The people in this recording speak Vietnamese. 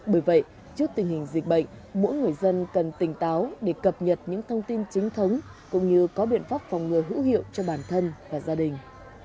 bởi vậy trước tình hình dịch bệnh mỗi người dân cần tỉnh táo để cập nhật những thông tin chính thống cũng như có biện pháp phòng ngừa hữu hiệu cho bản thân và gia đình